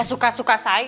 ya suka suka saya